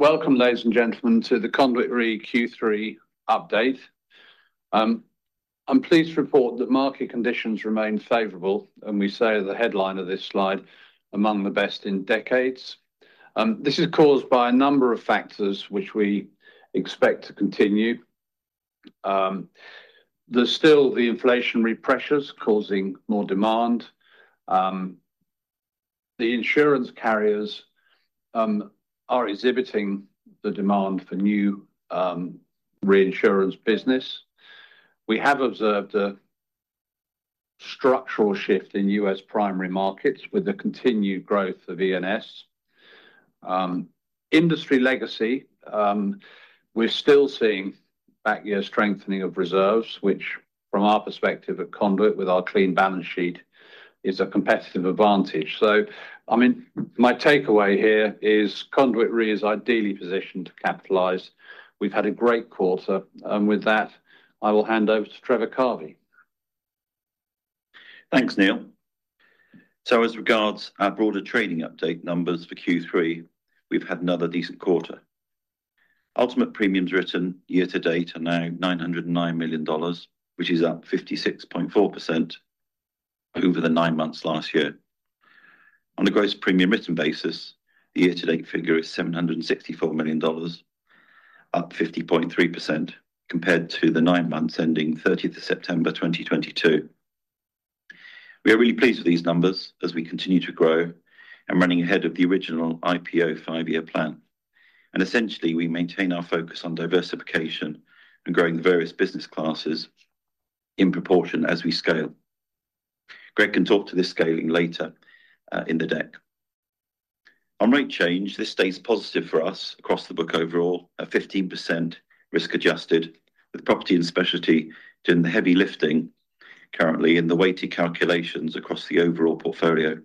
Welcome, ladies and gentlemen, to the Conduit Re Q3 update. I'm pleased to report that market conditions remain favorable, and we say at the headline of this slide, among the best in decades. This is caused by a number of factors, which we expect to continue. There's still the inflationary pressures causing more demand. The insurance carriers are exhibiting the demand for new reinsurance business. We have observed a structural shift in U.S. primary markets with the continued growth of E&S. Industry legacy, we're still seeing back year strengthening of reserves, which from our perspective at Conduit, with our clean balance sheet, is a competitive advantage. So, I mean, my takeaway here is Conduit Re is ideally positioned to capitalize. We've had a great quarter, and with that, I will hand over to Trevor Carvey. Thanks, Neil. So as regards our broader trading update numbers for Q3, we've had another decent quarter. Ultimate premiums written year to date are now $909 million, which is up 56.4% over the nine months last year. On a gross premium written basis, the year-to-date figure is $764 million, up 50.3%, compared to the nine months ending 30th of September 2022. We are really pleased with these numbers as we continue to grow and running ahead of the original IPO five-year plan. Essentially, we maintain our focus on diversification and growing various business classes in proportion as we scale. Greg can talk to this scaling later, in the deck. On rate change, this stays positive for us across the book overall, at 15% risk adjusted, with property and specialty doing the heavy lifting currently in the weighted calculations across the overall portfolio.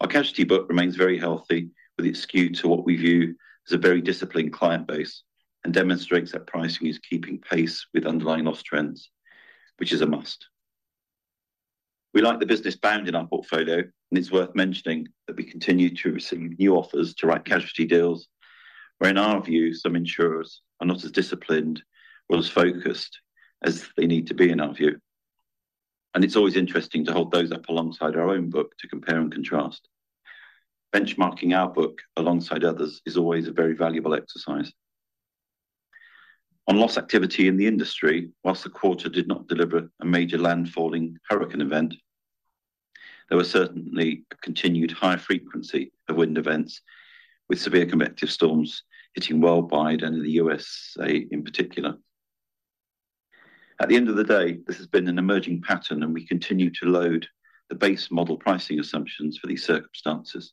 Our casualty book remains very healthy, with it skewed to what we view as a very disciplined client base, and demonstrates that pricing is keeping pace with underlying loss trends, which is a must. We like the business bound in our portfolio, and it's worth mentioning that we continue to receive new offers to write casualty deals, where, in our view, some insurers are not as disciplined or as focused as they need to be in our view. And it's always interesting to hold those up alongside our own book to compare and contrast. Benchmarking our book alongside others is always a very valuable exercise. On loss activity in the industry, whilst the quarter did not deliver a major landfalling hurricane event, there was certainly a continued high frequency of wind events, with severe convective storms hitting worldwide and in the USA in particular. At the end of the day, this has been an emerging pattern, and we continue to load the base model pricing assumptions for these circumstances,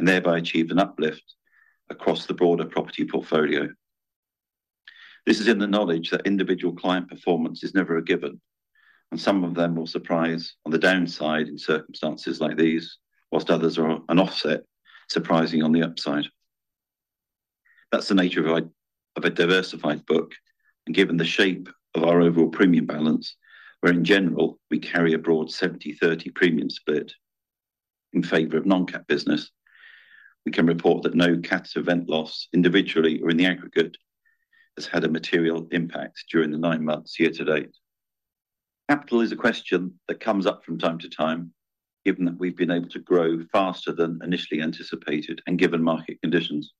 and thereby achieve an uplift across the broader property portfolio. This is in the knowledge that individual client performance is never a given, and some of them will surprise on the downside in circumstances like these, whilst others are an offset, surprising on the upside. That's the nature of a, of a diversified book, and given the shape of our overall premium balance, where in general, we carry a broad 70/30 premium split in favor of non-cat business. We can report that no cat event loss, individually or in the aggregate, has had a material impact during the 9 months year to date. Capital is a question that comes up from time to time, given that we've been able to grow faster than initially anticipated and given market conditions.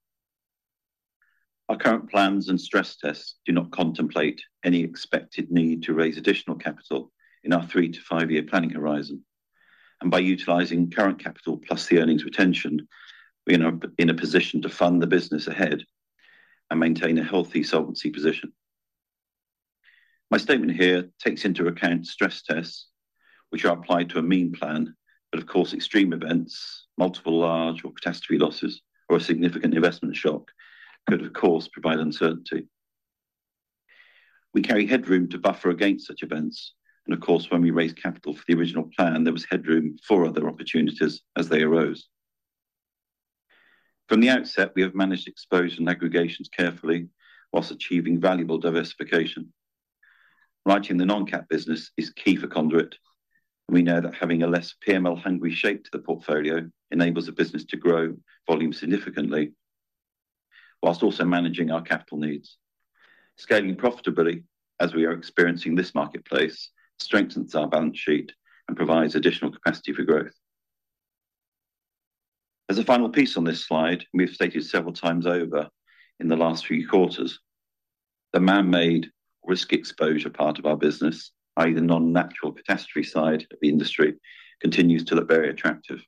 Our current plans and stress tests do not contemplate any expected need to raise additional capital in our three- to five-year planning horizon. By utilizing current capital plus the earnings retention, we are in a position to fund the business ahead and maintain a healthy solvency position. My statement here takes into account stress tests, which are applied to a mean plan, but of course, extreme events, multiple large or catastrophe losses, or a significant investment shock, could, of course, provide uncertainty. We carry headroom to buffer against such events, and of course, when we raised capital for the original plan, there was headroom for other opportunities as they arose. From the outset, we have managed exposure and aggregations carefully while achieving valuable diversification. Writing the non-cat business is key for Conduit, and we know that having a less PML-hungry shape to the portfolio enables the business to grow volume significantly while also managing our capital needs. Scaling profitably, as we are experiencing this marketplace, strengthens our balance sheet and provides additional capacity for growth. As a final piece on this slide, we've stated several times over in the last few quarters, the man-made risk exposure part of our business, i.e., the non-natural catastrophe side of the industry, continues to look very attractive.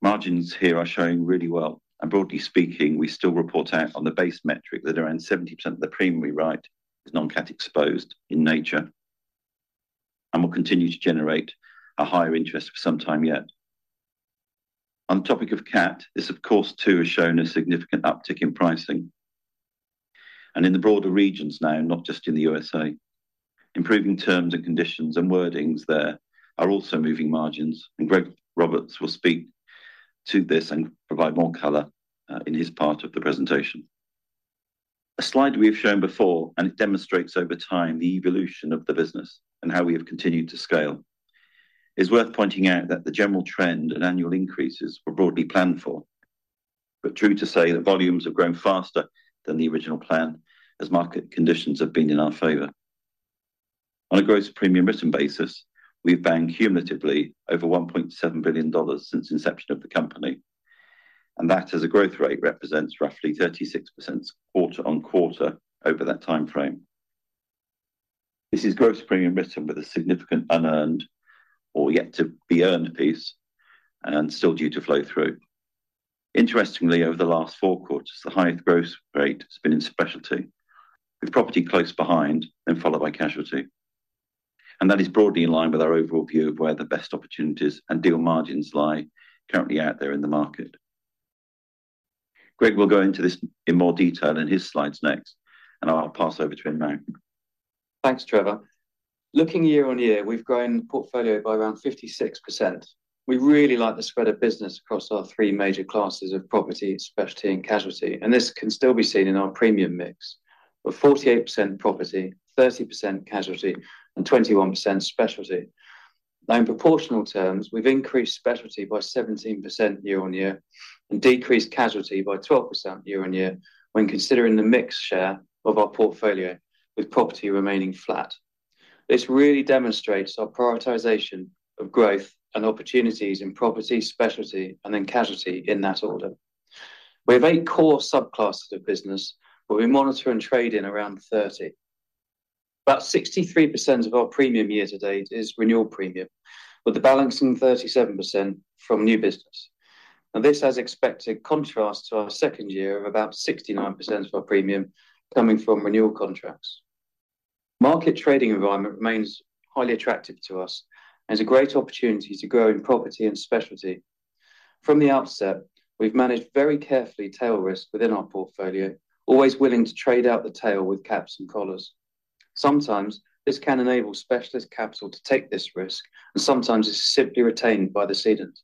Margins here are showing really well, and broadly speaking, we still report out on the base metric that around 70% of the premium we write is non-cat exposed in nature and will continue to generate a higher interest for some time yet. On the topic of cat, this of course, too, has shown a significant uptick in pricing. And in the broader regions now, not just in the USA, improving terms and conditions and wordings there are also moving margins, and Greg Roberts will speak to this and provide more color in his part of the presentation. A slide we've shown before, and it demonstrates over time the evolution of the business and how we have continued to scale. It's worth pointing out that the general trend and annual increases were broadly planned for, but true to say that volumes have grown faster than the original plan, as market conditions have been in our favor. On a gross premium written basis, we've banked cumulatively over $1.7 billion since inception of the company, and that as a growth rate, represents roughly 36% quarter-over-quarter over that time frame. This is gross premium written with a significant unearned or yet to be earned piece, and still due to flow through. Interestingly, over the last four quarters, the highest growth rate has been in specialty, with property close behind and followed by casualty. That is broadly in line with our overall view of where the best opportunities and deal margins lie currently out there in the market. Greg will go into this in more detail in his slides next, and I'll pass over to him now. Thanks, Trevor. Looking year-over-year, we've grown the portfolio by around 56%. We really like the spread of business across our three major classes of property, specialty, and casualty, and this can still be seen in our premium mix of 48% property, 30% casualty, and 21% specialty. Now, in proportional terms, we've increased specialty by 17% year-over-year and decreased casualty by 12% year-over-year when considering the mix share of our portfolio, with property remaining flat. This really demonstrates our prioritization of growth and opportunities in property, specialty, and then casualty in that order. We have eight core subclasses of business, but we monitor and trade in around 30. About 63% of our premium year to date is renewal premium, with the balance in 37% from new business. Now, this has expected contrast to our second year of about 69% of our premium coming from renewal contracts. Market trading environment remains highly attractive to us and is a great opportunity to grow in property and specialty. From the outset, we've managed very carefully tail risk within our portfolio, always willing to trade out the tail with caps and collars. Sometimes this can enable specialist capital to take this risk, and sometimes it's simply retained by the cedant.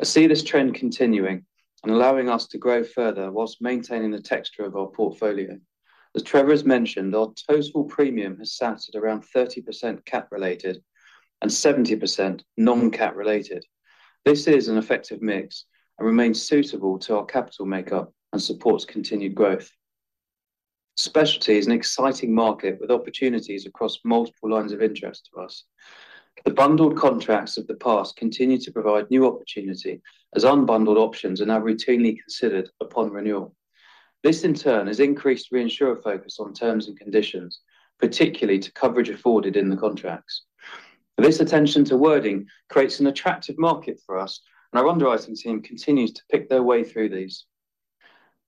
I see this trend continuing and allowing us to grow further while maintaining the texture of our portfolio. As Trevor has mentioned, our total premium has sat at around 30% cat related and 70% non-cat related. This is an effective mix and remains suitable to our capital makeup and supports continued growth. Specialty is an exciting market with opportunities across multiple lines of interest to us. The bundled contracts of the past continue to provide new opportunity, as unbundled options are now routinely considered upon renewal. This, in turn, has increased reinsurer focus on terms and conditions, particularly to coverage afforded in the contracts. This attention to wording creates an attractive market for us, and our underwriting team continues to pick their way through these.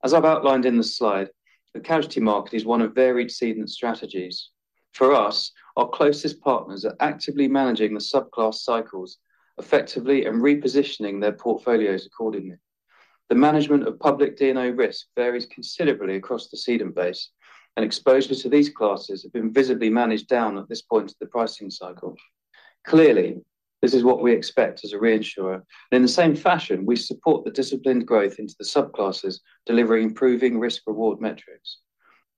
As I've outlined in the slide, the casualty market is one of varied cedent strategies. For us, our closest partners are actively managing the subclass cycles effectively and repositioning their portfolios accordingly. The management of public D&O risk varies considerably across the cedent base, and exposure to these classes have been visibly managed down at this point to the pricing cycle. Clearly, this is what we expect as a reinsurer. In the same fashion, we support the disciplined growth into the subclasses, delivering improving risk-reward metrics.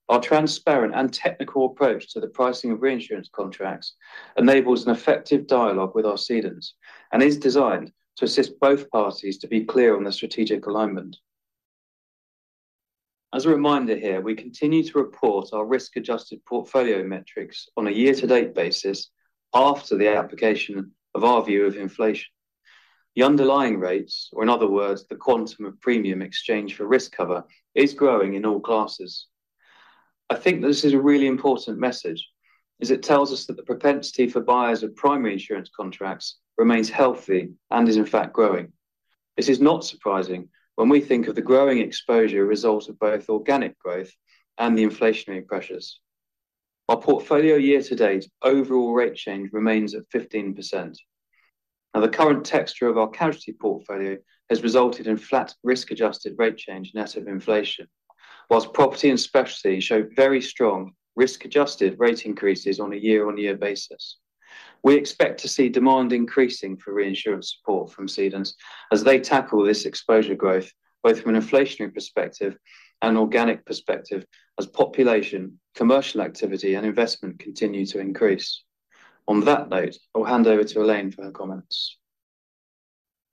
Our transparent and technical approach to the pricing of reinsurance contracts enables an effective dialogue with our cedants and is designed to assist both parties to be clear on the strategic alignment. As a reminder here, we continue to report our risk-adjusted portfolio metrics on a year to date basis after the application of our view of inflation. The underlying rates, or in other words, the quantum of premium exchange for risk cover, is growing in all classes. I think this is a really important message, as it tells us that the propensity for buyers of primary insurance contracts remains healthy and is in fact growing. This is not surprising when we think of the growing exposure result of both organic growth and the inflationary pressures. Our portfolio year to date overall rate change remains at 15%. Now, the current texture of our casualty portfolio has resulted in flat risk-adjusted rate change net of inflation, while property and specialty show very strong risk-adjusted rate increases on a year-over-year basis. We expect to see demand increasing for reinsurance support from cedants as they tackle this exposure growth, both from an inflationary perspective and organic perspective, as population, commercial activity and investment continue to increase. On that note, I'll hand over to Elaine for her comments.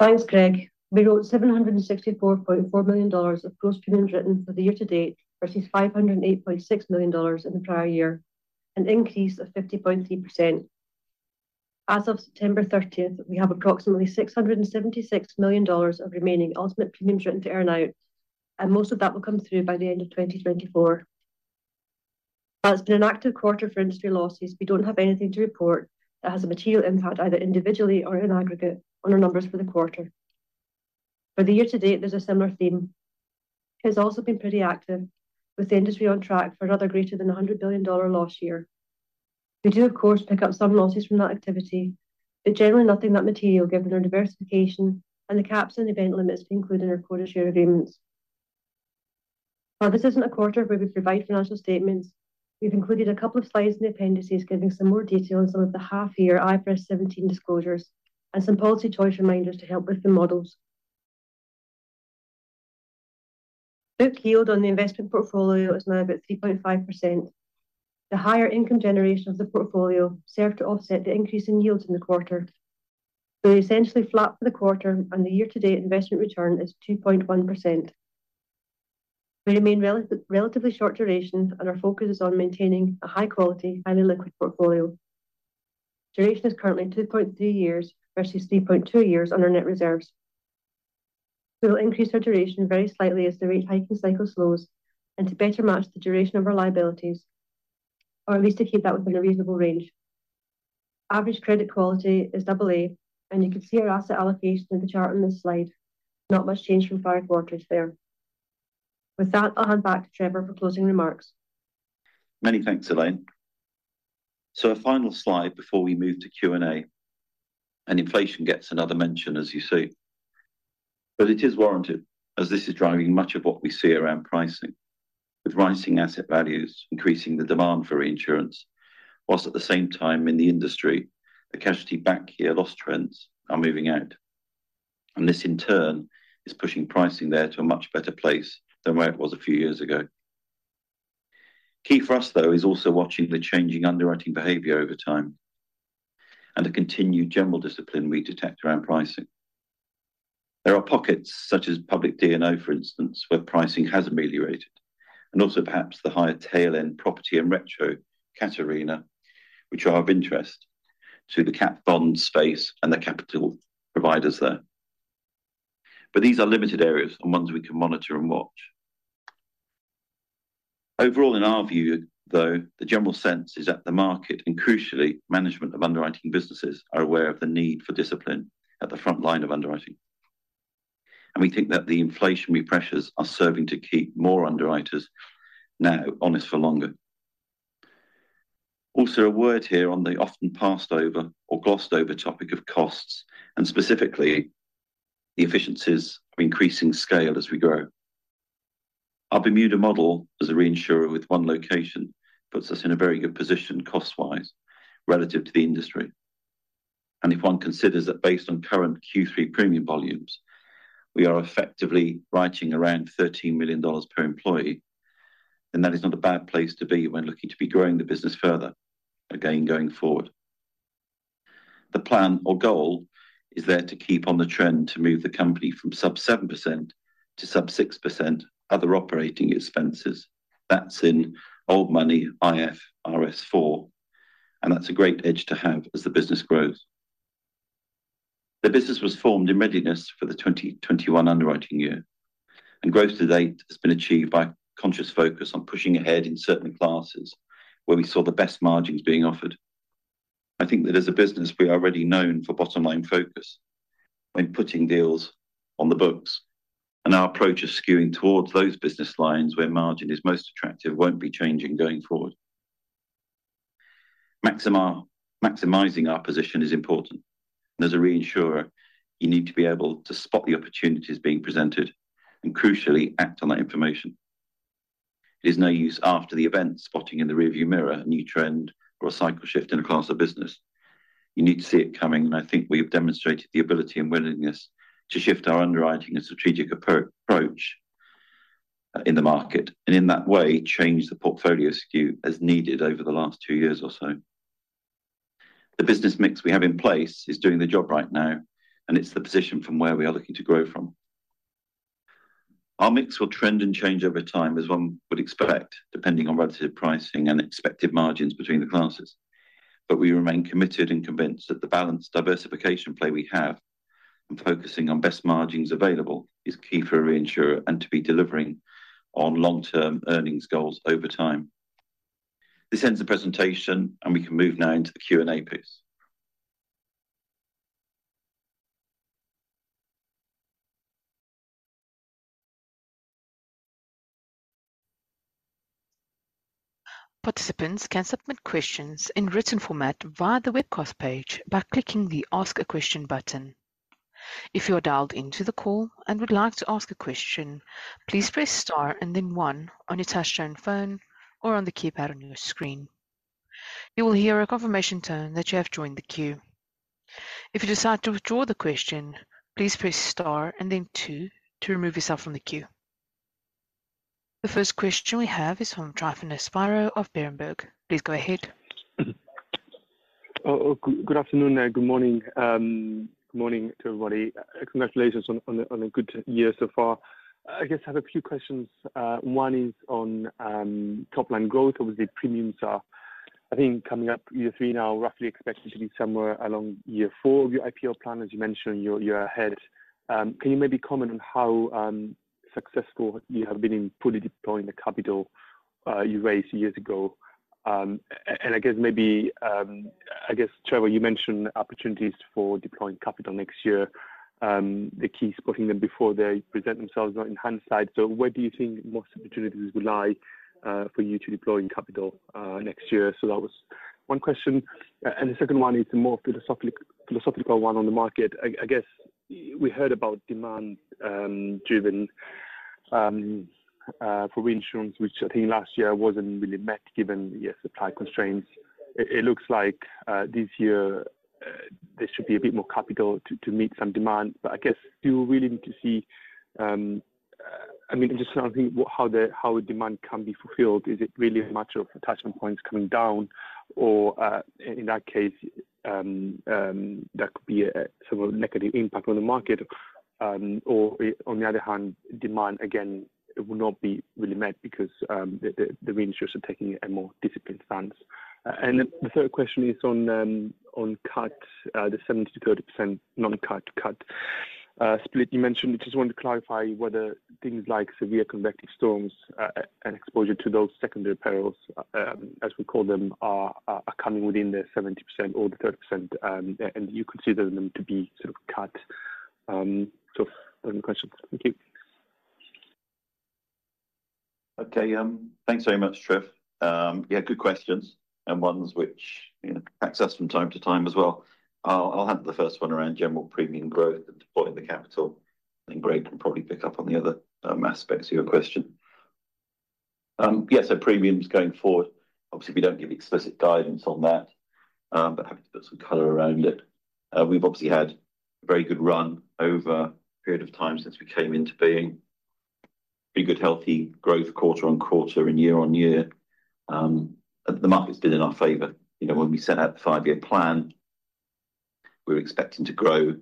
Thanks, Greg. We wrote $764.4 million of gross premium written for the year to date, versus $508.6 million in the prior year, an increase of 50.3%. As of September thirtieth, we have approximately $676 million of remaining ultimate premium written to earn out, and most of that will come through by the end of 2024. While it's been an active quarter for industry losses, we don't have anything to report that has a material impact, either individually or in aggregate, on our numbers for the quarter. For the year to date, there's a similar theme. It has also been pretty active, with the industry on track for another greater than $100 billion loss year. We do, of course, pick up some losses from that activity, but generally nothing that material, given our diversification and the caps and event limits included in our quota share agreements. While this isn't a quarter where we provide financial statements, we've included a couple of slides in the appendices, giving some more detail on some of the half year IFRS 17 disclosures and some policy choice reminders to help with the models. Book yield on the investment portfolio is now about 3.5%. The higher income generation of the portfolio served to offset the increase in yields in the quarter. They essentially flat for the quarter, and the year-to-date investment return is 2.1%. We remain relatively short durations, and our focus is on maintaining a high quality, highly liquid portfolio. Duration is currently 2.3 years versus 3.2 years on our net reserves. We will increase our duration very slightly as the rate hiking cycle slows and to better match the duration of our liabilities, or at least to keep that within a reasonable range. Average credit quality is double A, and you can see our asset allocation in the chart on this slide. Not much change from prior quarters there. With that, I'll hand back to Trevor for closing remarks. Many thanks, Elaine. So a final slide before we move to Q&A, and inflation gets another mention, as you see. But it is warranted as this is driving much of what we see around pricing, with rising asset values increasing the demand for reinsurance, while at the same time in the industry, the casualty back year loss trends are moving out, and this in turn is pushing pricing there to a much better place than where it was a few years ago. Key for us, though, is also watching the changing underwriting behavior over time and the continued general discipline we detect around pricing. There are pockets such as public D&O, for instance, where pricing has ameliorated, and also perhaps the higher tail end property and Retro Cat Arena, which are of interest to the cat bond space and the capital providers there. But these are limited areas and ones we can monitor and watch. Overall, in our view, though, the general sense is that the market and crucially, management of underwriting businesses are aware of the need for discipline at the front line of underwriting. And we think that the inflationary pressures are serving to keep more underwriters now honest for longer. Also, a word here on the often passed over or glossed over topic of costs and specifically the efficiencies of increasing scale as we grow. Our Bermuda model, as a reinsurer with one location, puts us in a very good position cost-wise relative to the industry. And if one considers that based on current Q3 premium volumes, we are effectively writing around $13 million per employee, then that is not a bad place to be when looking to be growing the business further, again, going forward. The plan or goal is there to keep on the trend to move the company from sub 7 to sub 6% other operating expenses. That's in old money, IFRS 4, and that's a great edge to have as the business grows. The business was formed in readiness for the 2021 underwriting year, and growth to date has been achieved by conscious focus on pushing ahead in certain classes where we saw the best margins being offered. I think that as a business, we are already known for bottom-line focus when putting deals on the books, and our approach is skewing towards those business lines where margin is most attractive won't be changing going forward. Maximizing our position is important, and as a reinsurer, you need to be able to spot the opportunities being presented and crucially act on that information. It is no use after the event, spotting in the rearview mirror, a new trend or a cycle shift in a class of business. You need to see it coming, and I think we have demonstrated the ability and willingness to shift our underwriting and strategic approach in the market, and in that way, change the portfolio skew as needed over the last two years or so. The business mix we have in place is doing the job right now, and it's the position from where we are looking to grow from. Our mix will trend and change over time, as one would expect, depending on relative pricing and expected margins between the classes. But we remain committed and convinced that the balanced diversification play we have and focusing on best margins available is key for a reinsurer and to be delivering on long-term earnings goals over time. This ends the presentation, and we can move now into the Q&A phase. Participants can submit questions in written format via the webcast page by clicking the Ask a Question button. If you are dialed into the call and would like to ask a question, please press star and then one on your touch-tone phone or on the keypad on your screen. You will hear a confirmation tone that you have joined the queue. If you decide to withdraw the question, please press star and then two to remove yourself from the queue. The first question we have is from Tryfonas Spyrou of Berenberg. Please go ahead. Good afternoon there. Good morning, good morning to everybody. Congratulations on a good year so far. I guess I have a few questions. One is on top-line growth. Obviously, premiums are, I think, coming up year 3 now, roughly expected to be somewhere along year four of your IPO plan, as you mentioned, you're ahead. Can you maybe comment on how successful you have been in fully deploying the capital you raised years ago? And I guess maybe, I guess, Trevor, you mentioned opportunities for deploying capital next year. The key is spotting them before they present themselves, not in hindsight. So where do you think most opportunities will lie for you to deploying capital next year? So that was one question, and the second one is a more philosophic, philosophical one on the market. I guess we heard about demand driven for reinsurance, which I think last year wasn't really met, given the supply constraints. It looks like this year there should be a bit more capital to meet some demand. But I guess you really need to see, I mean, just wondering how the how demand can be fulfilled. Is it really a matter of attachment points coming down, or in that case that could be a sort of a negative impact on the market? Or on the other hand, demand again it will not be really met because the reinsurers are taking a more disciplined stance. And the third question is on cat, the 70-30% non-cat, cat split you mentioned. I just wanted to clarify whether things like severe convective storms and exposure to those secondary perils, as we call them, are coming within the 70% or the 30%, and you consider them to be sort of cat. So those are the questions. Thank you. Okay, thanks very much, Trevor. Yeah, good questions, and ones which, you know, affects us from time to time as well. I'll, I'll handle the first one around general premium growth and deploying the capital, and Greg can probably pick up on the other aspects of your question. Yeah, so premiums going forward, obviously, we don't give explicit guidance on that, but happy to put some color around it. We've obviously had a very good run over a period of time since we came into being. Pretty good, healthy growth quarter on quarter and year on year. The markets did in our favor. You know, when we set out the five-year plan, we were expecting to grow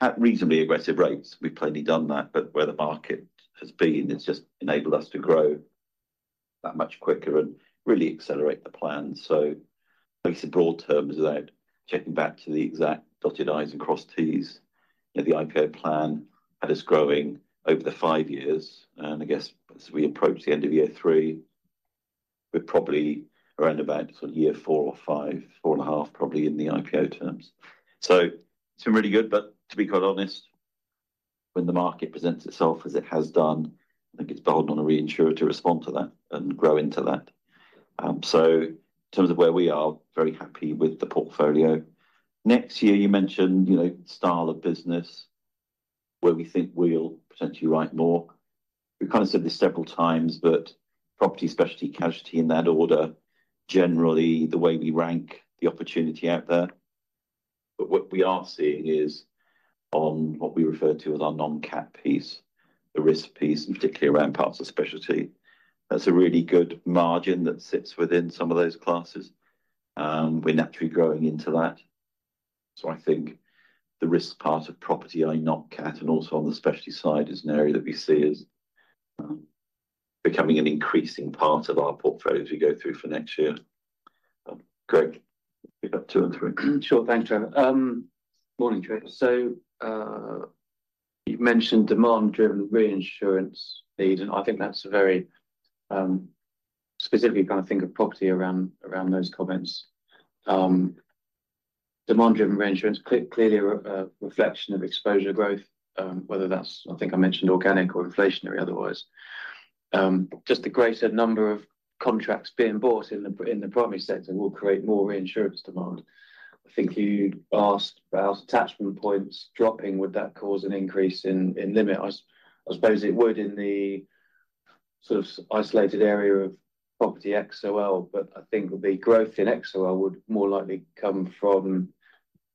at reasonably aggressive rates. We've plenty done that, but where the market has been, it's just enabled us to grow that much quicker and really accelerate the plan. So at least in broad terms, without checking back to the exact dotted I's and crossed T's, you know, the IPO plan had us growing over the five years, and I guess as we approach the end of year three, we're probably around about sort of year four or five, four and a half, probably in the IPO terms. So it's been really good, but to be quite honest, when the market presents itself as it has done, I think it's beholden on a reinsurer to respond to that and grow into that. So in terms of where we are, very happy with the portfolio. Next year, you mentioned, you know, style of business, where we think we'll potentially write more. We've kind of said this several times, but property, specialty, casualty in that order, generally the way we rank the opportunity out there. But what we are seeing is on what we refer to as our non-cat piece, the risk piece, and particularly around parts of specialty. There's a really good margin that sits within some of those classes, and we're naturally growing into that. So I think the risk part of property in non-cat, and also on the specialty side, is an area that we see as becoming an increasing part of our portfolio as we go through for next year. Greg, you've got two and three. Sure. Thanks, Trevor. Morning, Trevor. So, you've mentioned demand-driven reinsurance need, and I think that's a very specifically kind of think of property around those comments. Demand-driven reinsurance clearly a reflection of exposure growth, whether that's, I think I mentioned, organic or inflationary otherwise. Just the greater number of contracts being bought in the primary sector will create more reinsurance demand. I think you'd asked about attachment points dropping, would that cause an increase in limit? I suppose it would in the sort of isolated area of property XOL, but I think the growth in XOL would more likely come from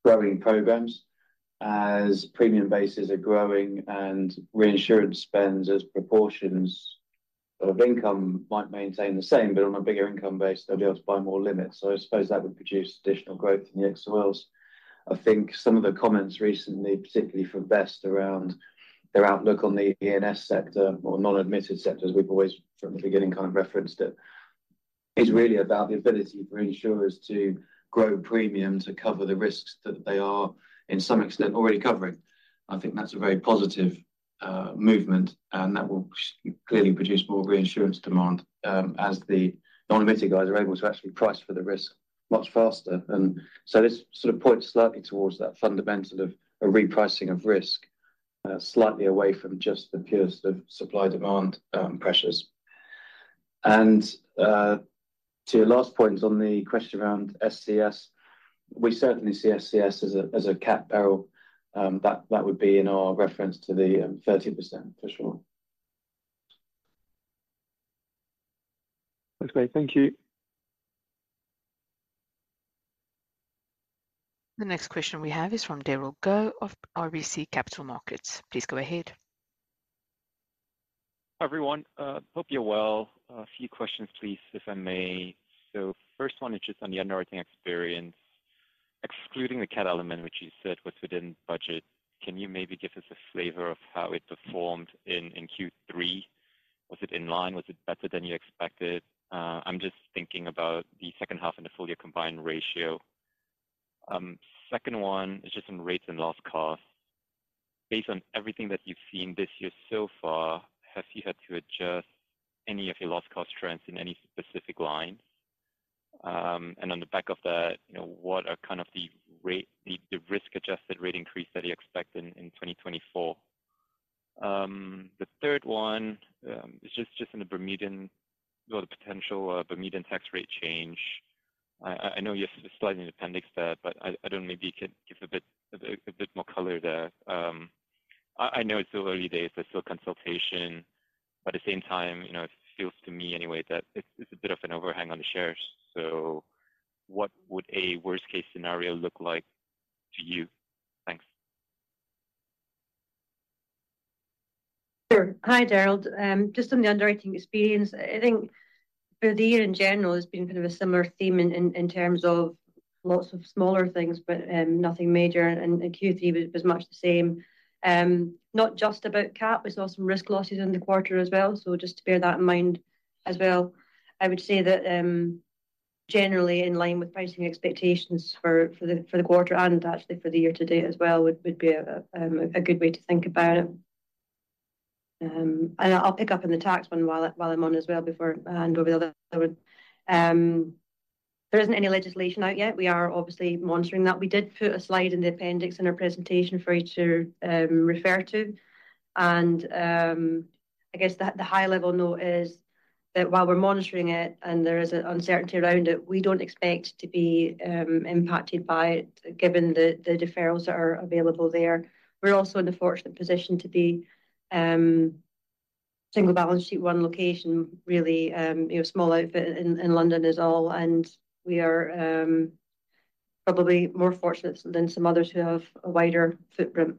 growing programs as premium bases are growing and reinsurance spends as proportions of income might maintain the same, but on a bigger income base, they'll be able to buy more limits. So I suppose that would produce additional growth in the XOLs. I think some of the comments recently, particularly from Best around their outlook on the E&S sector or non-admitted sector, as we've always from the beginning kind of referenced it, is really about the ability for insurers to grow premium to cover the risks that they are, in some extent, already covering. I think that's a very positive movement, and that will clearly produce more reinsurance demand, as the non-admitted guys are able to actually price for the risk much faster. And so this sort of points slightly towards that fundamental of a repricing of risk, slightly away from just the purest of supply-demand pressures. And, to your last point on the question around SCS, we certainly see SCS as a cat peril. That would be in our reference to the 30%, for sure. That's great. Thank you. The next question we have is from Darrell Law of RBC Capital Markets. Please go ahead. Hi, everyone. Hope you're well. A few questions, please, if I may. So first one is just on the underwriting experience. Excluding the cat element, which you said was within budget, can you maybe give us a flavor of how it performed in Q3? Was it in line? Was it better than you expected? I'm just thinking about the second half and the full year combined ratio. Second one is just on rates and loss cost. Based on everything that you've seen this year so far, have you had to adjust any of your loss cost trends in any specific lines? And on the back of that, you know, what are kind of the rate, the risk-adjusted rate increase that you expect in 2024? The third one is just on the Bermudan... Well, the potential of Bermudan tax rate change. I know you have a slide in the appendix there, but I don't know, maybe you could give a bit more color there. I know it's still early days, there's still consultation, but at the same time, you know, it feels to me anyway, that it's a bit of an overhang on the shares. So what would a worst-case scenario look like to you? Thanks. Sure. Hi, Gerald. Just on the underwriting experience, I think for the year in general, it's been kind of a similar theme in terms of lots of smaller things, but nothing major, and Q3 was much the scame. Not just about cap, we saw some risk losses in the quarter as well. So just to bear that in mind as well. I would say that generally in line with pricing expectations for the quarter and actually for the year to date as well would be a good way to think about it. And I'll pick up on the tax one while I'm on as well before I hand over the other. There isn't any legislation out yet. We are obviously monitoring that. We did put a slide in the appendix in our presentation for you to refer to, and I guess the high-level note is that while we're monitoring it and there is an uncertainty around it, we don't expect to be impacted by it, given the deferrals that are available there. We're also in the fortunate position to be single balance sheet, one location, really you know small outfit in London is all, and we are probably more fortunate than some others who have a wider footprint.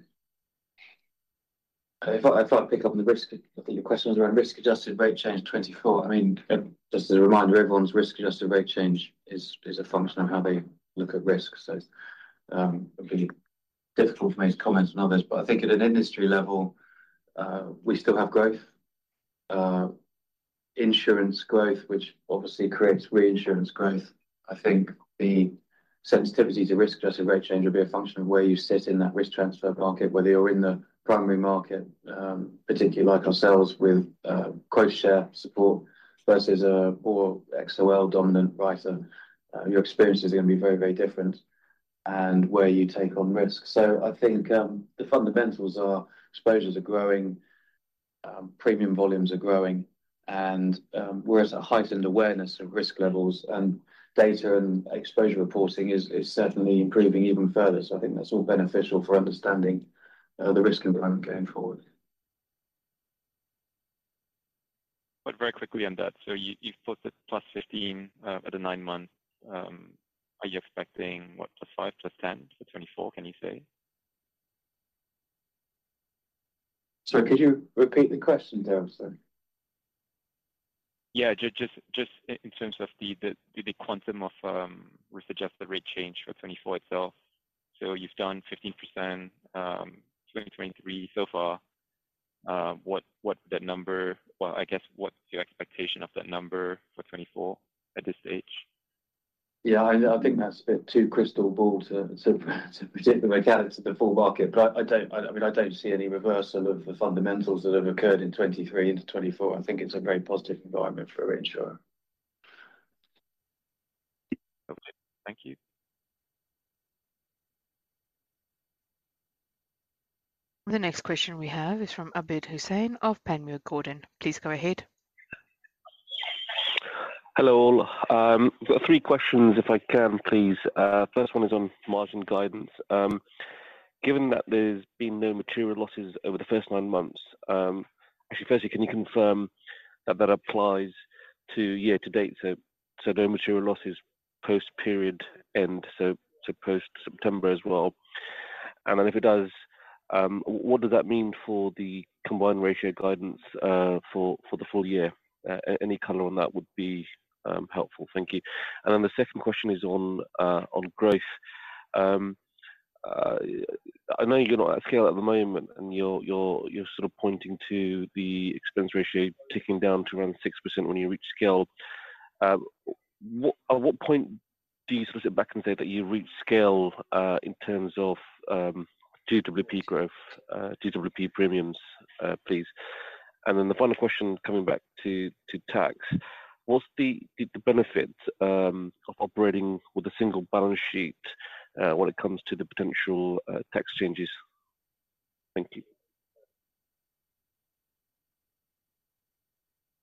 If I pick up on the risk. I think your question was around risk-adjusted rate change 2024. I mean, just as a reminder, everyone's risk-adjusted rate change is a function of how they look at risk. So, it would be difficult for me to comment on others, but I think at an industry level, we still have growth, insurance growth, which obviously creates reinsurance growth. I think the sensitivity to risk-adjusted rate change will be a function of where you sit in that risk transfer market, whether you're in the primary market, particularly like ourselves with quota share support versus a more XOL-dominant writer. Your experience is going to be very, very different and where you take on risk. I think the fundamentals are exposures are growing, premium volumes are growing, and we're at a heightened awareness of risk levels, and data and exposure reporting is certainly improving even further. I think that's all beneficial for understanding the risk environment going forward. Very quickly on that, so you, you've put the +15 at the nine months. Are you expecting, what, +5, +10 for 2024? Can you say? Sorry, could you repeat the question, Darrell, I'm sorry. Yeah, just in terms of the quantum of risk-adjusted rate change for 2024 itself. So you've done 15%, 2023 so far. What's the number... Well, I guess, what's your expectation of that number for 2024 at this stage? Yeah, I think that's a bit too crystal ball to predict the mechanics of the full market. But I don't, I mean, I don't see any reversal of the fundamentals that have occurred in 2023 into 2024. I think it's a very positive environment for a reinsurer. Okay. Thank you. The next question we have is from Abid Hussain of Panmure Gordon. Please go ahead. Hello all. I've got three questions, if I can, please. First one is on margin guidance. Given that there's been no material losses over the first nine months, actually, firstly, can you confirm that that applies to year to date? So no material losses post-period, and so post-September as well. And then if it does, what does that mean for the combined ratio guidance for the full year? Any color on that would be helpful. Thank you. And then the second question is on growth. I know you're not at scale at the moment, and you're sort of pointing to the expense ratio ticking down to around 6% when you reach scale. At what point do you sort of sit back and say that you've reached scale in terms of GWP growth, GWP premiums, please? And then the final question, coming back to tax: What's the benefit of operating with a single balance sheet when it comes to the potential tax changes? Thank you.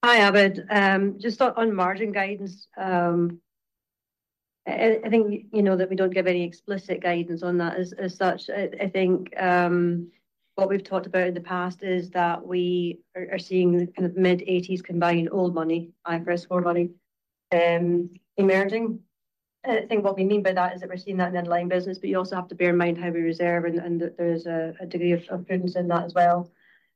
Hi, Abid. Just on margin guidance, I think you know that we don't give any explicit guidance on that as such. I think what we've talked about in the past is that we are seeing the kind of mid-80s combined old money, IFRS 4 money, and emerging. I think what we mean by that is that we're seeing that in the underlying business, but you also have to bear in mind how we reserve and that there's a degree of prudence in that as well.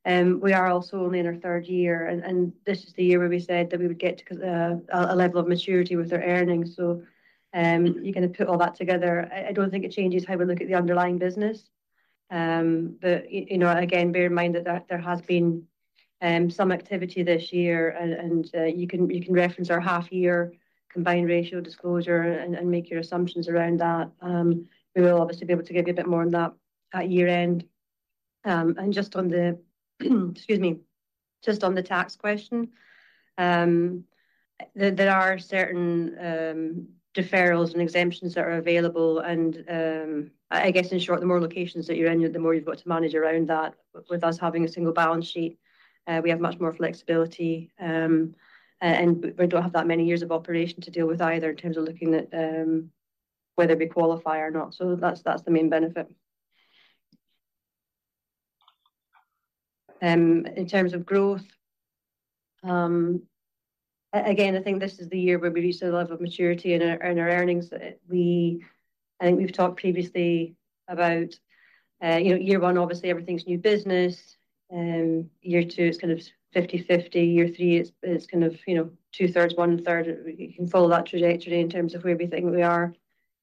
We are also only in our third year, and this is the year where we said that we would get to a level of maturity with our earnings. So, you kind of put all that together, I don't think it changes how we look at the underlying business. But, you know, again, bear in mind that there has been some activity this year, and you can reference our half year combined ratio disclosure and make your assumptions around that. We will obviously be able to give you a bit more on that at year-end. And just on the, excuse me, just on the tax question, there are certain deferrals and exemptions that are available, and I guess in short, the more locations that you're in, the more you've got to manage around that. With us having a single balance sheet, we have much more flexibility, and we don't have that many years of operation to deal with either, in terms of looking at whether we qualify or not. So that's the main benefit. In terms of growth, again, I think this is the year where we reach the level of maturity in our earnings. I think we've talked previously about, you know, year one, obviously, everything's new business. Year two, it's kind of 50/50. Year three, it's kind of, you know, 2/3, 1/3. You can follow that trajectory in terms of where we think we are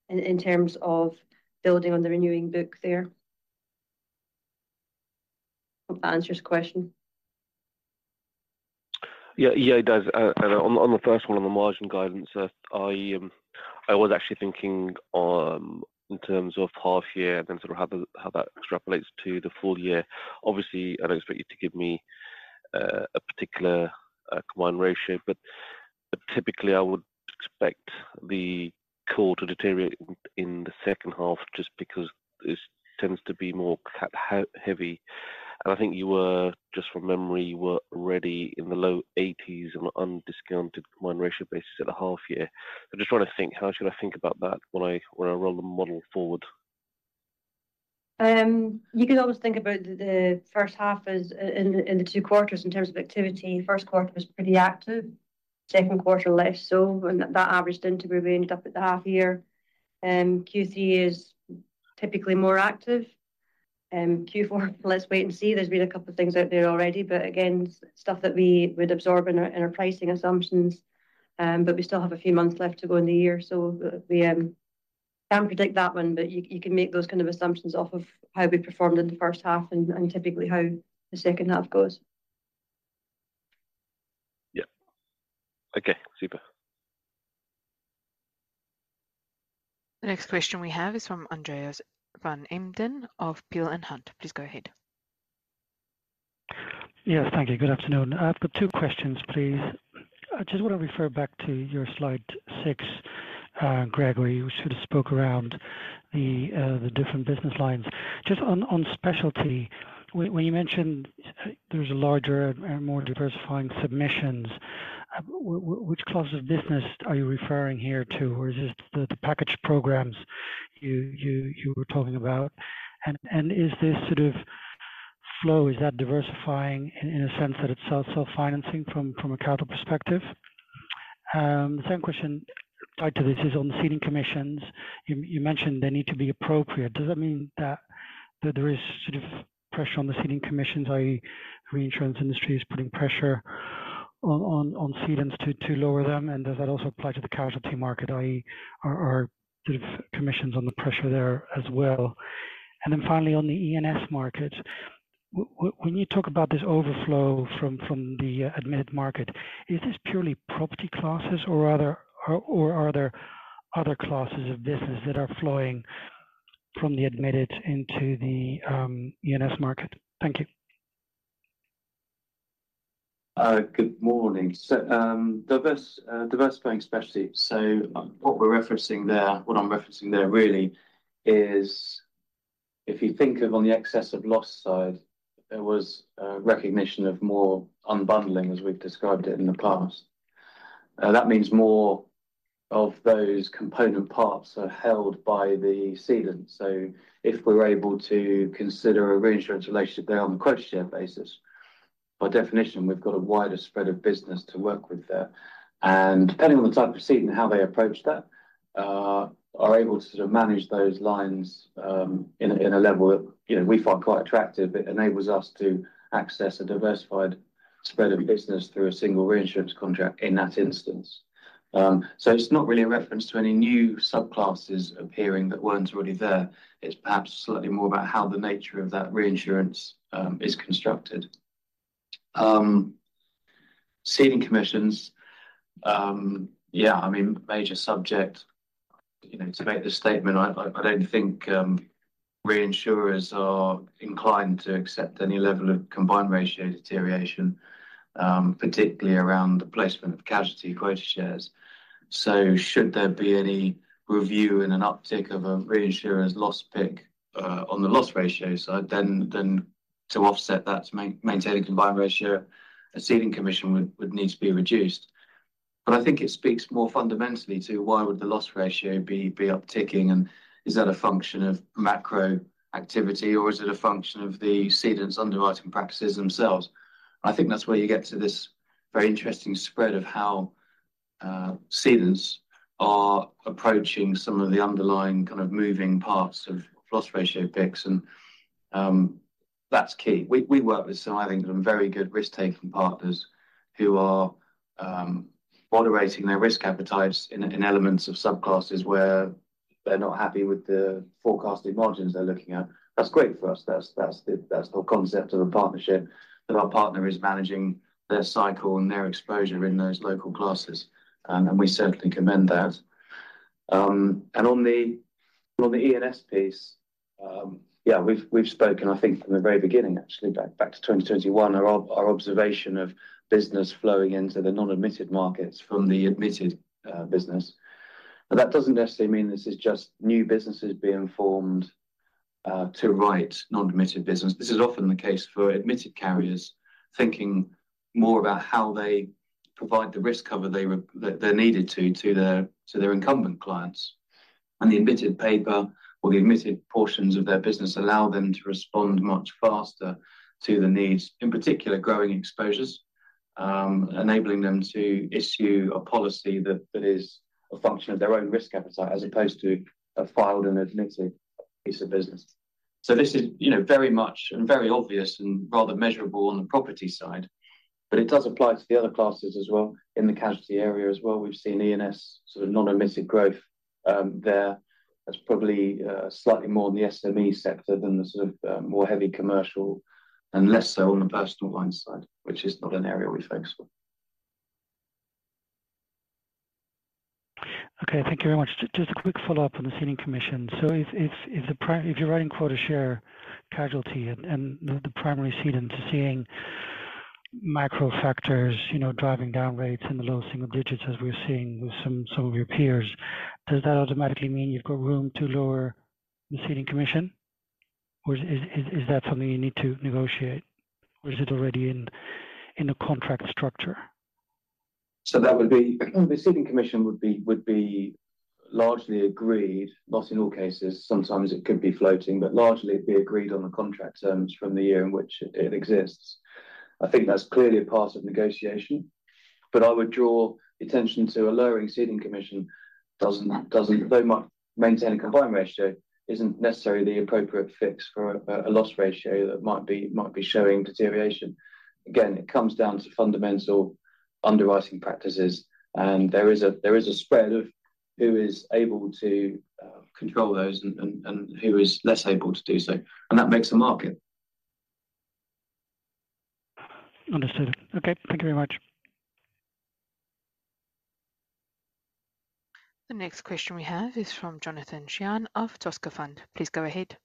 in terms of building on the renewing book there. Hope that answers your question. Yeah, yeah, it does. On the first one, on the margin guidance, I was actually thinking in terms of half year and then sort of how that extrapolates to the full year. Obviously, I don't expect you to give me a particular combined ratio, but typically, I would expect the core to deteriorate in the second half just because this tends to be more cat-heavy. I think you were, just from memory, you were already in the low 80s on an undiscounted combined ratio basis at the half year. I'm just trying to think, how should I think about that when I roll the model forward? You can always think about the first half as in the two quarters in terms of activity. First quarter was pretty active, second quarter, less so, and that averaged into where we ended up at the half year. Q3 is typically more active. Q4, let's wait and see. There's been a couple of things out there already, but again, stuff that we would absorb in our pricing assumptions. But we still have a few months left to go in the year, so we can't predict that one, but you can make those kind of assumptions off of how we performed in the first half and typically how the second half goes. Yeah. Okay, super. The next question we have is from Andreas van Embden of Peel Hunt. Please go ahead. Yes, thank you. Good afternoon. I've got two questions, please. I just want to refer back to your slide 6, Gregory, which sort of spoke around the different business lines. Just on specialty, when you mentioned there's a larger and more diversifying submissions, which classes of business are you referring here to, or is this the package programs you were talking about? And is this sort of flow diversifying in a sense that it's self-financing from a capital perspective? The second question tied to this is on the ceding commissions. You mentioned they need to be appropriate. Does that mean that there is sort of pressure on the ceding commissions, i.e., reinsurance industry is putting pressure on cedants to lower them? And does that also apply to the casualty market, i.e., are sort of commissions on the pressure there as well? And then finally, on the E&S market, when you talk about this overflow from the admitted market, is this purely property classes or other or are there other classes of business that are flowing from the admitted into the E&S market? Thank you. Good morning. So, diverse, diversifying specialty. So what we're referencing there, what I'm referencing there really is, if you think of on the excess of loss side, there was a recognition of more unbundling as we've described it in the past. That means more of those component parts are held by the cedant. So if we're able to consider a reinsurance relationship there on a quota share basis, by definition, we've got a wider spread of business to work with there. And depending on the type of cedant and how they approach that, are able to sort of manage those lines, in a, in a level that, you know, we find quite attractive. It enables us to access a diversified spread of business through a single reinsurance contract in that instance. So it's not really a reference to any new subclasses appearing that weren't already there. It's perhaps slightly more about how the nature of that reinsurance is constructed. Ceding commissions, yeah, I mean, major subject. You know, to make the statement, I don't think reinsurers are inclined to accept any level of combined ratio deterioration, particularly around the placement of casualty quota shares. So should there be any review and an uptick of a reinsurer's loss pick-up on the loss ratio side, then to offset that, to maintain a combined ratio, a ceding commission would need to be reduced. But I think it speaks more fundamentally to why would the loss ratio be upticking, and is that a function of macro activity, or is it a function of the cedant's underwriting practices themselves? I think that's where you get to this very interesting spread of how cedants are approaching some of the underlying kind of moving parts of loss ratio picks, and that's key. We work with some, I think, some very good risk-taking partners who are moderating their risk appetites in elements of subclasses where they're not happy with the forecasted margins they're looking at. That's great for us. That's the whole concept of a partnership, that our partner is managing their cycle and their exposure in those local classes, and we certainly commend that. And on the E&S piece, yeah, we've spoken, I think from the very beginning, actually, back to 2021, our observation of business flowing into the non-admitted markets from the admitted business. But that doesn't necessarily mean this is just new businesses being formed to write non-admitted business. This is often the case for admitted carriers thinking more about how they provide the risk cover that they're needed to, to their, to their incumbent clients. And the admitted paper or the admitted portions of their business allow them to respond much faster to the needs, in particular, growing exposures, enabling them to issue a policy that that is a function of their own risk appetite, as opposed to a filed and admitted piece of business. So this is, you know, very much and very obvious and rather measurable on the property side, but it does apply to the other classes as well. In the casualty area as well, we've seen E&S sort of non-admitted growth there. That's probably slightly more in the SME sector than the sort of more heavy commercial and less so on the personal line side, which is not an area we focus on. Okay, thank you very much. Just a quick follow-up on the ceding commission. So if you're writing quota share casualty and the primary cedant is seeing macro factors, you know, driving down rates in the low single digits, as we're seeing with some of your peers, does that automatically mean you've got room to lower the ceding commission? Or is that something you need to negotiate, or is it already in the contract structure? So that would be... The ceding commission would be, would be largely agreed, not in all cases. Sometimes it could be floating, but largely it'd be agreed on the contract terms from the year in which it exists. I think that's clearly a part of negotiation, but I would draw attention to a lower ceding commission doesn't, doesn't—though might maintain a combined ratio, isn't necessarily the appropriate fix for a, a loss ratio that might be, might be showing deterioration. Again, it comes down to fundamental underwriting practices, and there is a, there is a spread of who is able to, control those and, and, and who is less able to do so, and that makes a market. Understood. Okay, thank you very much. The next question we have is from Jonathan Sheehan of Toscafund. Please go ahead.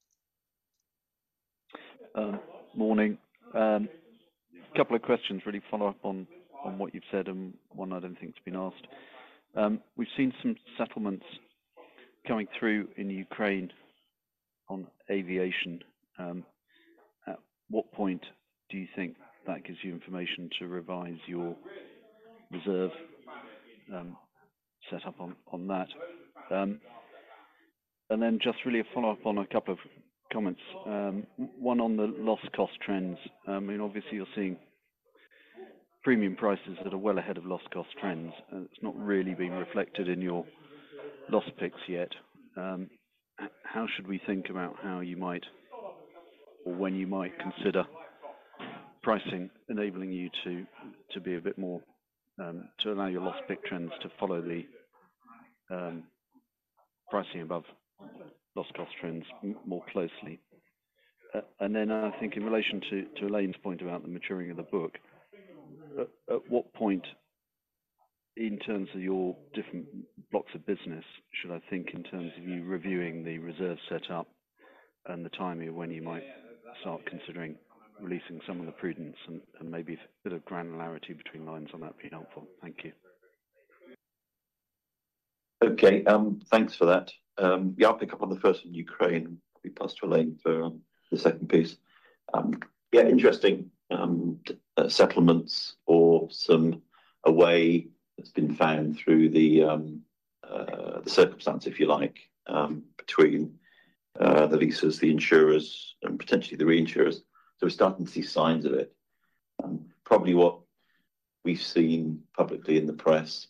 Morning. A couple of questions, really follow up on what you've said and one I don't think has been asked. We've seen some settlements coming through in Ukraine on aviation. At what point do you think that gives you information to revise your reserve set up on that? And then just really a follow-up on a couple of comments. One on the loss cost trends. I mean, obviously you're seeing premium prices that are well ahead of loss cost trends, and it's not really being reflected in your loss picks yet. How should we think about how you might or when you might consider pricing enabling you to be a bit more to allow your loss pick trends to follow the pricing above loss cost trends more closely? Then, I think in relation to Elaine's point about the maturing of the book, at what point in terms of your different blocks of business should I think in terms of you reviewing the reserve set up and the timing of when you might start considering releasing some of the prudence? And maybe a bit of granularity between lines on that would be helpful. Thank you. Okay, thanks for that. Yeah, I'll pick up on the first on Ukraine, and probably pass to Elaine for the second piece. Yeah, interesting, settlements or a way that's been found through the circumstance, if you like, between the lessors, the insurers, and potentially the reinsurers. So we're starting to see signs of it. Probably what we've seen publicly in the press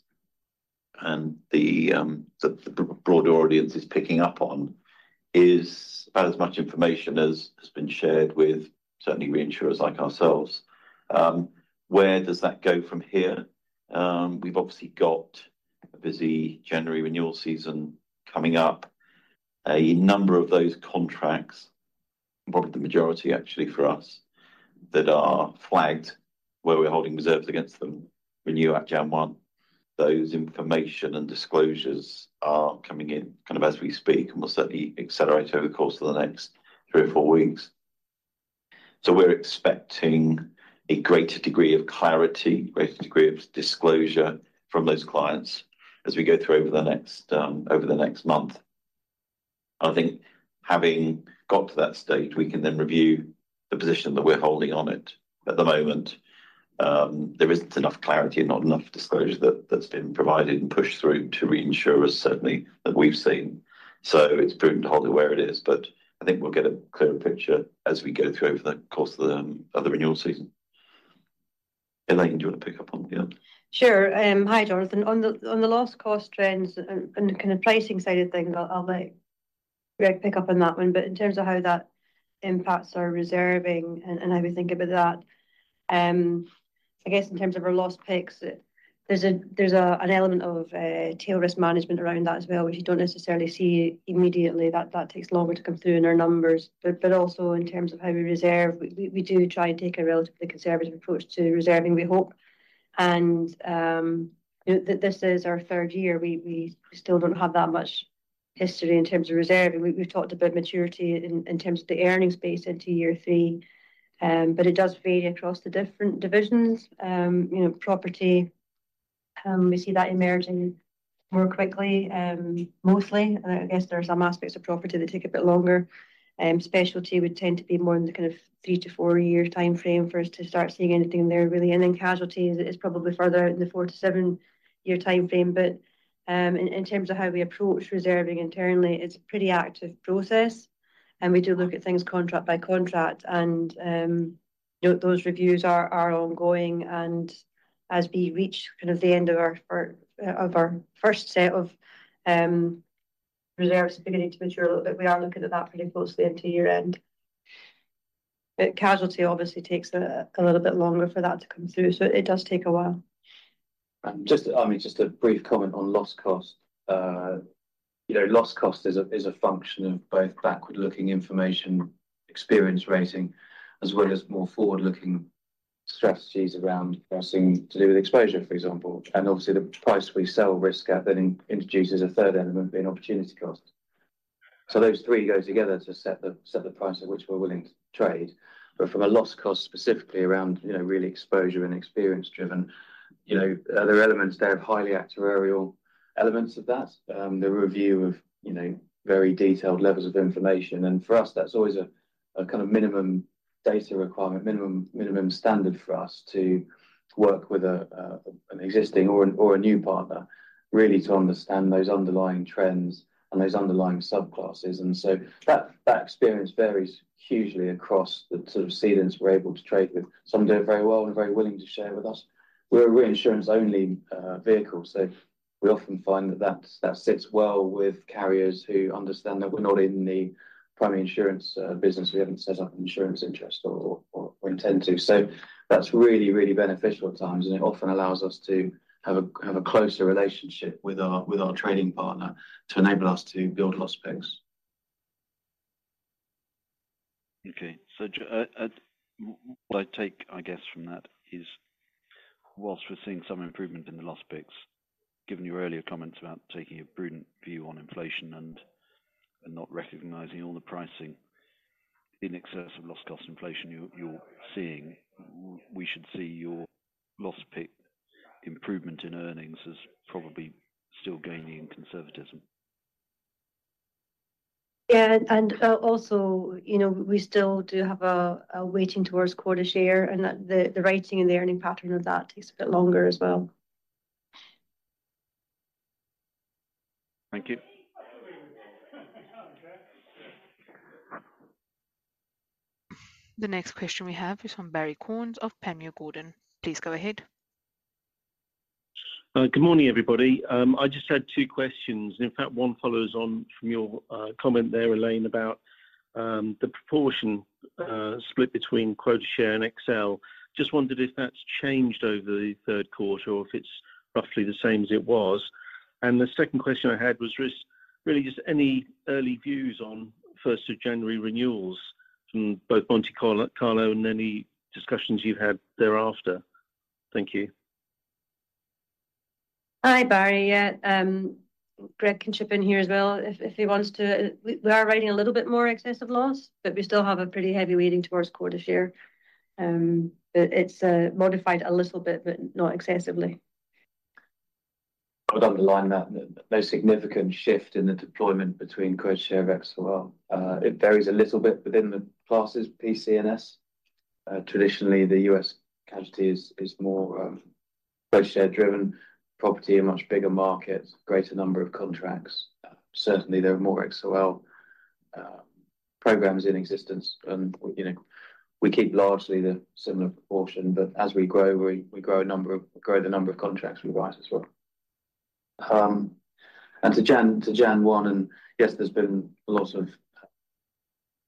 and the broader audience is picking up on is about as much information as has been shared with certainly reinsurers like ourselves. Where does that go from here? We've obviously got a busy January renewal season coming up. A number of those contracts, probably the majority actually for us, that are flagged, where we're holding reserves against them, renew at January 1. Those information and disclosures are coming in, kind of, as we speak, and will certainly accelerate over the course of the next three or four weeks. So we're expecting a greater degree of clarity, greater degree of disclosure from those clients as we go through over the next, over the next month. I think having got to that state, we can then review the position that we're holding on it. At the moment, there isn't enough clarity and not enough disclosure that's been provided and pushed through to reinsurers, certainly, that we've seen. So it's prudent to hold it where it is, but I think we'll get a clearer picture as we go through over the course of the, of the renewal season. Elaine, do you want to pick up on the other? Sure. Hi, Jonathan. On the loss cost trends and kind of pricing side of things, I'll let Greg pick up on that one. But in terms of how that impacts our reserving and how we think about that, I guess in terms of our loss picks, there's an element of tail risk management around that as well, which you don't necessarily see immediately. That takes longer to come through in our numbers. But also in terms of how we reserve, we do try and take a relatively conservative approach to reserving, we hope. And you know, this is our third year. We still don't have that much history in terms of reserving. We've talked about maturity in terms of the earnings base into year three, but it does vary across the different divisions. You know, property we see that emerging more quickly, mostly, and I guess there are some aspects of property that take a bit longer. Specialty would tend to be more in the kind of three- to four-year timeframe for us to start seeing anything there, really. And then casualties is probably further out in the four- to seven-year timeframe. But in terms of how we approach reserving internally, it's a pretty active process, and we do look at things contract by contract. Those reviews are ongoing, and as we reach kind of the end of our first set of reserves beginning to mature a little bit, we are looking at that pretty closely into year-end. Casualty obviously takes a little bit longer for that to come through, so it does take a while. And just, I mean, just a brief comment on loss cost. You know, loss cost is a function of both backward-looking information, experience rating, as well as more forward-looking strategies around pricing to do with exposure, for example. And obviously, the price we sell risk at then introduces a third element, being opportunity cost. So those three go together to set the price at which we're willing to trade. But from a loss cost, specifically around, you know, really exposure and experience driven, you know, there are elements there of highly actuarial elements of that. The review of, you know, very detailed levels of information, and for us, that's always a kind of minimum data requirement, minimum standard for us to work with an existing or a new partner, really to understand those underlying trends and those underlying subclasses. So that experience varies hugely across the sort of cedants we're able to trade with. Some do it very well and are very willing to share with us. We're a reinsurance-only vehicle, so we often find that that sits well with carriers who understand that we're not in the primary insurance business. We haven't set up an insurance interest or intend to. So that's really, really beneficial at times, and it often allows us to have a closer relationship with our trading partner to enable us to build loss picks. Okay. So, what I take, I guess, from that is, while we're seeing some improvement in the loss picks, given your earlier comments about taking a prudent view on inflation and not recognizing all the pricing in excess of loss cost inflation you're seeing, we should see your loss pick improvement in earnings as probably still gaining in conservatism. Yeah, and also, you know, we still do have a weighting towards quota share, and the writing and the earning pattern of that takes a bit longer as well. Thank you. The next question we have is from Barrie Cornes of Panmure Gordon. Please go ahead. Good morning, everybody. I just had two questions. In fact, one follows on from your comment there, Elaine, about the proportion split between quota share and XL. Just wondered if that's changed over the third quarter or if it's roughly the same as it was. The second question I had was just really just any early views on first of January renewals from both Monte Carlo and any discussions you've had thereafter. Thank you. Hi, Barrie. Yeah, Greg can chip in here as well if he wants to. We are writing a little bit more excess of loss, but we still have a pretty heavy weighting towards quota share. But it's modified a little bit, but not excessively. I'd underline that. No significant shift in the deployment between quota share and XOL. It varies a little bit within the classes, P, C, and S. Traditionally, the U.S. casualty is more quota share driven, property a much bigger market, greater number of contracts. Certainly, there are more XOL programs in existence, and you know, we keep largely the similar proportion, but as we grow, we grow the number of contracts we write as well. And to January 1, and yes, there's been a lot of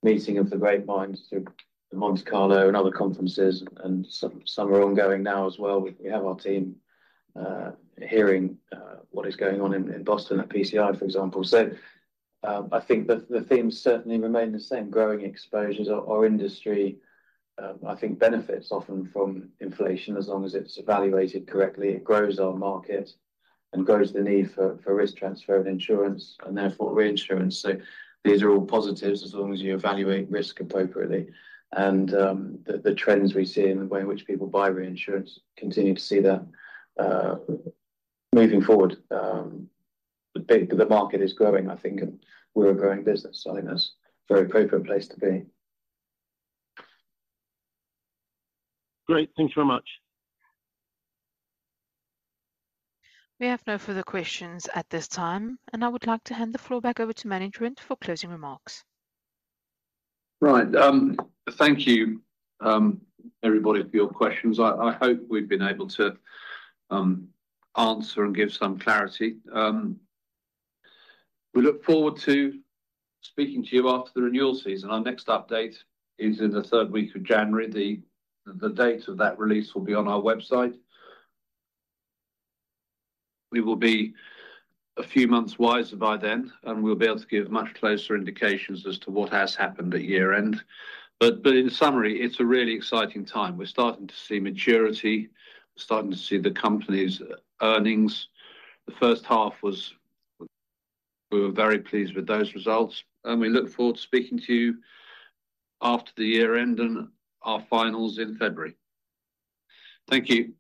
meeting of the great minds through the Monte Carlo and other conferences, and some are ongoing now as well. We have our team hearing what is going on in Boston at PCI, for example. So, I think the themes certainly remain the same, growing exposures. Our industry, I think benefits often from inflation, as long as it's evaluated correctly. It grows our market and grows the need for risk transfer and insurance, and therefore reinsurance. So these are all positives as long as you evaluate risk appropriately. And, the trends we see in the way in which people buy reinsurance, continue to see that moving forward. The market is growing, I think, and we're a growing business, so I think that's a very appropriate place to be. Great. Thanks very much. We have no further questions at this time, and I would like to hand the floor back over to management for closing remarks. Right. Thank you, everybody, for your questions. I hope we've been able to answer and give some clarity. We look forward to speaking to you after the renewal season. Our next update is in the third week of January. The date of that release will be on our website. We will be a few months wiser by then, and we'll be able to give much closer indications as to what has happened at year-end. But in summary, it's a really exciting time. We're starting to see maturity. We're starting to see the company's earnings. The first half was... We were very pleased with those results, and we look forward to speaking to you after the year-end and our finals in February. Thank you.